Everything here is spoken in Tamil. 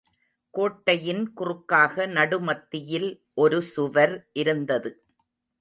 கோட்டையின் குறுக்காக நடுமத்தியில் ஒரு சுவர் இருந்தது.